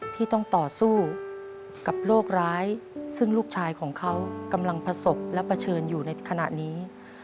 ที่ต้องต่อสู้กับโรคร้ายซึ่งลูกชายของเขากำลังประสบและเผชิญอยู่ในขณะนี้